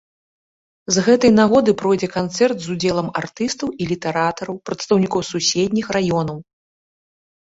З гэтай нагоды пройдзе канцэрт з удзелам артыстаў і літаратараў, прадстаўнікоў суседніх раёнаў.